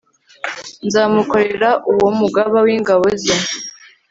nzamukorerauwo mugaba w'ingabo ze